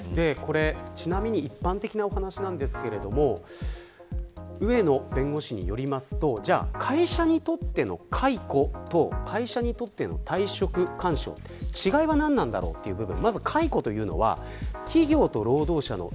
ちなみに、一般的なお話ですが上野弁護士によりますとじゃあ、会社にとっての解雇と会社にとっての退職勧奨の違いは何なんだろうという部分。